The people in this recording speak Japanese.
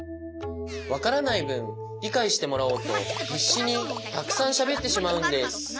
わからないぶんりかいしてもらおうとひっしにたくさんしゃべってしまうんです。